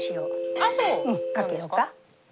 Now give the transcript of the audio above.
うんかけようか。